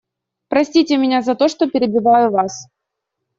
Простите меня за то, что перебиваю Вас.